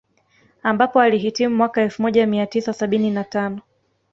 Ambapo alihitimu mwaka elfu moja mia tisa sabini na tano